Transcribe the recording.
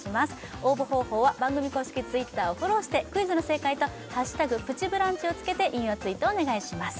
応募方法は番組公式Ｔｗｉｔｔｅｒをフォローしてクイズの正解と「＃プチブランチ」をつけて引用ツイートをお願いします